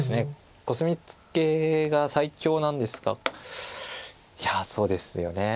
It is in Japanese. コスミツケが最強なんですがいやそうですよね。